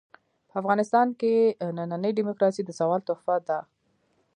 په افغانستان کې ننۍ ډيموکراسي د سوال تحفه ده.